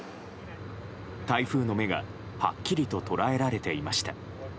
台風の目がはっきりと捉えられていました。